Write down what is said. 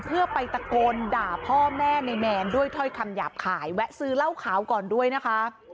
เพื่อไปตะโกนด่าพ่อแม่ในแมนด้วยถ้อยคำหยาบขายแวะซื้อเหล้าขาวก่อนด้วยนะคะ